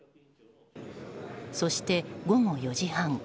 そして、午後４時半。